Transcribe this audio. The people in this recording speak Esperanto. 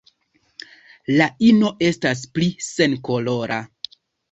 La ino estas pli senkolora.